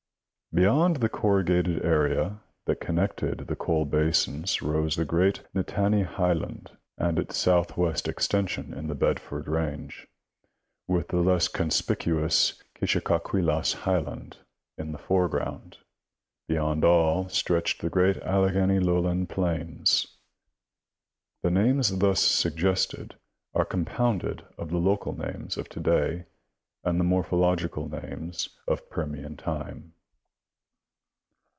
Beyond the corrugated area that connected the coal basins rose the great Mttany highland, N, The Rivers imd Valleys of Pennsylvania. 223 224 National Geographic Magazine. and its southwest extension in the Bedford range, with the less conspicuous Kishicoquilas highland, K, in the foreground. Beyond all stretched the great Alleghany lowland plains. The names thus suggested are compounded of the local names of to day and the morphological names of Permian time.